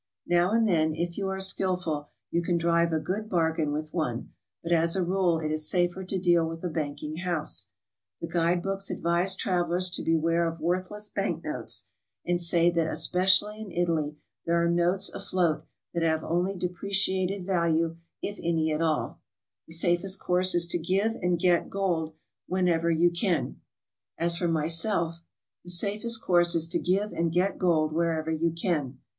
Now and then, if you are skilful, you can drive a good bargain with one, but as a rule it is safer to deal with a banking house. The guide books advise travelers to beware of worthless bank notes, and say that especially in Italy there are notes afloat that have only depreciated value if any at all. The safest course is to give and get gold wherever you can.